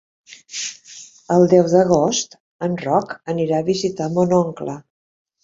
El deu d'agost en Roc anirà a visitar mon oncle.